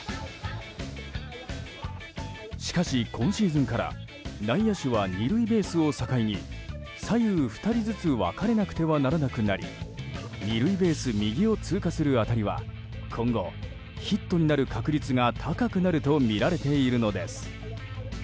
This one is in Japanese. しかし、今シーズンから内野手は２塁ベースを境に左右２人ずつ分かれなくてはならなくなり２塁ベース右を通過する当たりは今後、ヒットになる確率が高くなるとみられているのです。